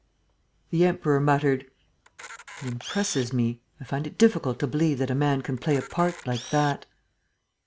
..." The Emperor muttered: "He impresses me. I find it difficult to believe that a man can play a part like that.